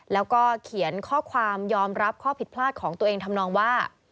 แล้วก็เขียนข้อความยอมรับข้อผิดพลาดของตัวเองทำนองว่า